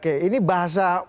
oke ini bahasa